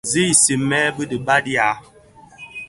Zi isigmèn bidaabi dhiwa.